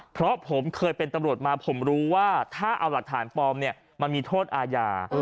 เพราะผมเคยเป็นตำรวจมาผมรู้ว่าถ้าเอาหลักฐานปลอมเนี่ยมันมีโทษอาญา